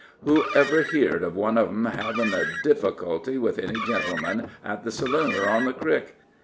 Who ever heerd of one of 'em hevin' a difficulty with any gentleman, at the saloon or on the crick?